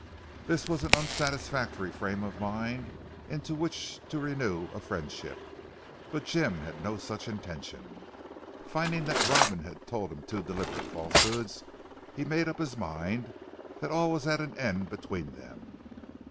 This was an unsatisfactory frame of mind in which to renew a friendship. But Jim had no such intention. Finding that Robin had told him two deliberate falsehoods, he made up his mind that all was at an end between them.